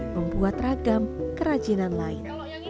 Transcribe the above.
membuat ragam kerajinan lain